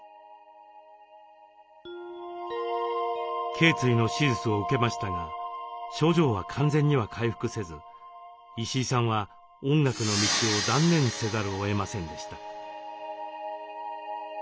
頸椎の手術を受けましたが症状は完全には回復せず石井さんは音楽の道を断念せざるをえませんでした。